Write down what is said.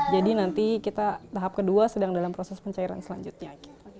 jadi nanti kita tahap kedua sedang dalam proses pencairan selanjutnya